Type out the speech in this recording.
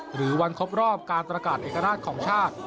หรือวันครบรอบการประกาศเอกราชของชาติ